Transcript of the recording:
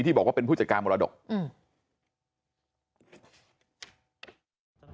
บอกว่าเป็นผู้จัดการมรดกอืม